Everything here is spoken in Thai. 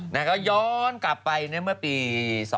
แล้วก็ย้อนกลับไปเมื่อปี๒๕๖